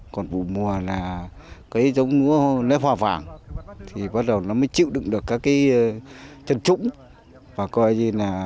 còn vụ mùa là cái giống lúa nếp hoa vàng thì bắt đầu nó mới chịu đựng được các cái trần trũng